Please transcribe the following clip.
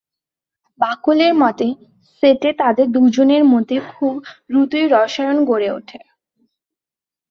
বাকলের মতে, সেটে তাদের দুজনের মধ্যে খুব দ্রুতই রসায়ন গড়ে ওঠে।